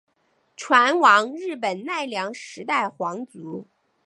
船王日本奈良时代皇族。